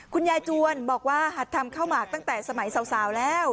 คุณยายจวนบอกว่าหัดทำข้าวหมากตั้งแต่สมัยสาวแล้ว